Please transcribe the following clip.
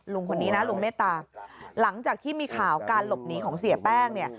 ลุงคนนี้นะลุงเมตตาหลังจากที่มีข่าวการหลบหนีของเสียแป้งเนี่ย